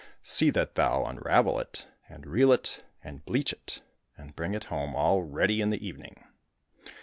See that thou unravel it, and reel it, and bleach it, and bring it home all ready in the evening